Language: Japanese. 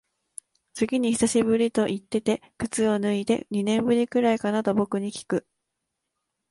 次に久しぶりと言ってて靴を脱いで、二年ぶりくらいかなと僕にきく。